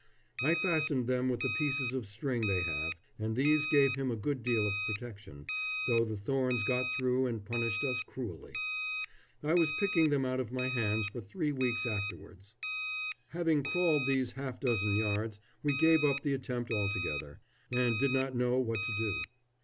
I fastened them with the pieces of string they have, and these gave him a good deal of protection, though the thorns got through and punished us cruelly. I was picking them out of my hands for three weeks afterwards. [Illustration: To face p. 12. THE WONDERFUL WATER SUPPLY AT THE DARDANELLES.] Having crawled these half dozen yards, we gave up the attempt altogether, and did not know what to do.